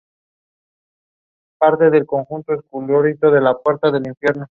La muerte es dudosa, se cree que aparecerán en otra entrega de Tomb Raider.